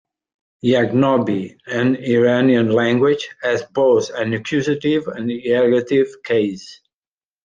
Yagnobi, an Iranian language, has both an accusative and ergative case.